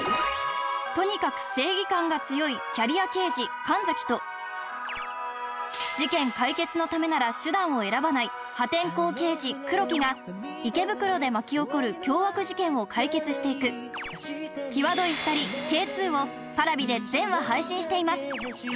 とにかく正義感が強いキャリア刑事神崎と事件解決のためなら手段を選ばない破天荒刑事黒木が池袋で巻き起こる凶悪事件を解決していくキワドい２人−Ｋ２−をＰａｒａｖｉで全話配信しています